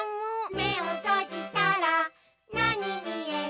「めをとじたらなにみえる？」